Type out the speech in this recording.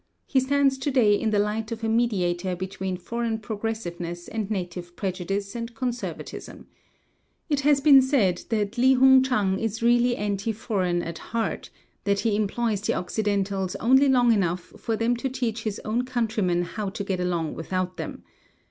He stands to day in the light of a mediator between foreign progressiveness and native prejudice and conservatism. It has been said that Li Hung Chang is really anti foreign at heart; that he employs the Occidentals only long enough for them to teach his own countrymen how to get along without them.